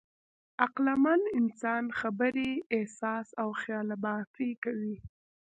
عقلمن انسان خبرې، احساس او خیالبافي کوي.